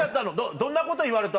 どんなこと言われた？